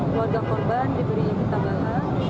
keluarga korban diberi ketabahan